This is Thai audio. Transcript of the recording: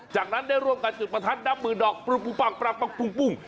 จากนั้นได้ร่วมกันจุดประทัดดับหมื่นดอกปรุงปรุงปรังปรังปรังปรุงปรุง